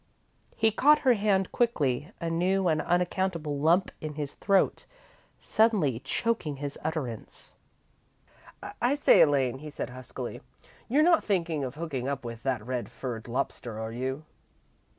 He caught her hand quickly, a new and unaccountable lump in his throat suddenly choking his utterance. "I say, Elaine," he said, huskily, "you're not thinking of hooking up with that red furred lobster, are you?"